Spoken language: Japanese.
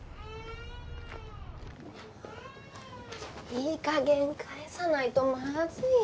いいかげん返さないとまずいよ。